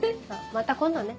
また今度ね。